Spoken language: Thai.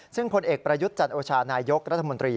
ซึ่งผลเอกประยุทธ์จันโอชานายกรัฐมนตรี